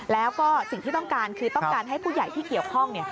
แล้วก็สิ่งที่ต้องการคือต้องการให้ผู้ใหญ่ที่เกี่ยวข้อง